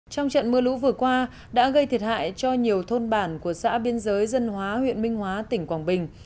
trong trận mưa lũ vừa qua đã gây thiệt hại cho nhiều thôn bản của xã biên giới dân hóa huyện minh hóa tỉnh quảng bình